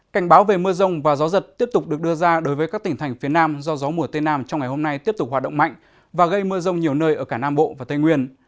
cảnh báo về mưa rông và gió giật tiếp tục được đưa ra đối với các tỉnh thành phía nam do gió mùa tây nam trong ngày hôm nay tiếp tục hoạt động mạnh và gây mưa rông nhiều nơi ở cả nam bộ và tây nguyên